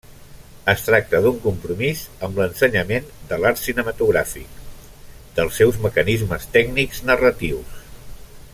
Es tracta d'un compromís amb l'ensenyament de l'art cinematogràfic, dels seus mecanismes tècnics narratius.